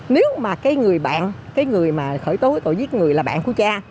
nếu mà cái người bạn cái người mà khởi tố cái tội giết người là bạn của cha